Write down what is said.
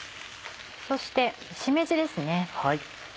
そしてしめじですね。